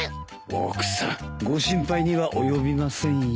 奥さんご心配には及びませんよ。